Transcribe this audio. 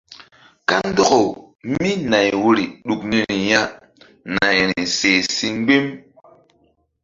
Kandɔkawmínay woyri ɗuk niri ya nayri seh si mgbi̧m.